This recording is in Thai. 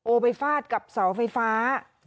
ไปฟาดกับเสาไฟฟ้า